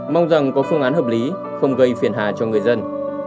mong rằng có phương án hợp lý không gây phiền hà cho người dân